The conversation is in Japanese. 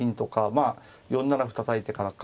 まあ４七歩たたいてからか。